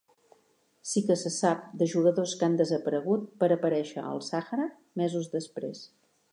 Sí que se sap de jugadors que han desaparegut per aparèixer al Sàhara mesos després.